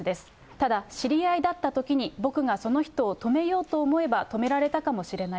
ただ、知り合いだったときに僕がその人を止めようと思えば止められたかもしれない。